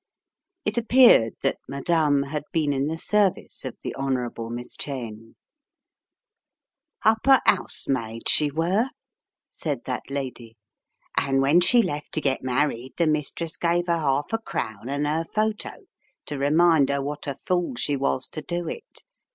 It appeared that "Madame" had been in the service of the Honourable Miss Cheyne. "Hupper 'ousemaid, she were," said that lady, "and when she left to get married, the mistress gave her half a crown and her photo to remind her wot a fool she was to do it.